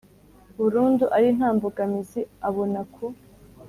burundu ari nta mbogamizi abona ku